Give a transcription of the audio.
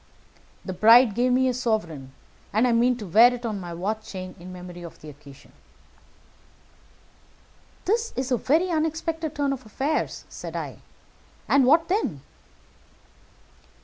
The bride gave me a sovereign, and I mean to wear it on my watch chain in memory of the occasion." "This is a very unexpected turn of affairs," said I; "and what then?"